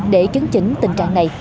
để chứng chỉnh tình trạng này